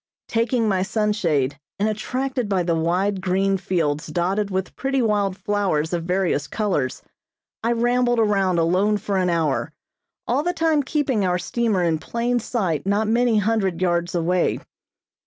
Taking my sunshade, and attracted by the wide green fields dotted with pretty wild flowers of various colors, I rambled around alone for an hour, all the time keeping our steamer in plain sight not many hundred yards away.